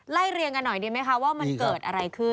เรียงกันหน่อยดีไหมคะว่ามันเกิดอะไรขึ้น